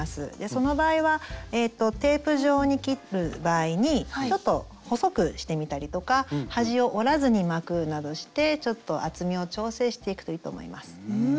その場合はテープ状に切る場合にちょっと細くしてみたりとか端を折らずに巻くなどしてちょっと厚みを調整していくといいと思います。